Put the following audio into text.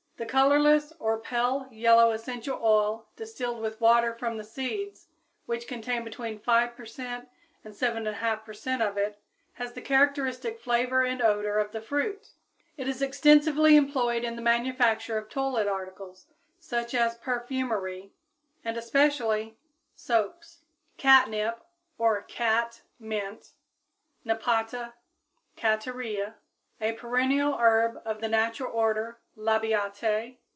The colorless or pale yellow essential oil distilled with water from the seeds, which contain between 5% and 7 1/2% of it, has the characteristic flavor and odor of the fruit. It is extensively employed in the manufacture of toilet articles, such as perfumery, and especially soaps. =Catnip=, or =cat mint= (Nepeta cataria, Linn.), a perennial herb of the natural order Labiatæ.